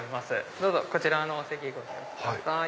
どうぞこちらのお席ご利用ください。